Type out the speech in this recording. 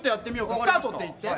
スタートって言って。